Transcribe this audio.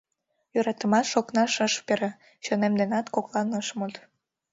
Йӧратымаш окнаш ыш пере, Чонем денат коклан ыш мод.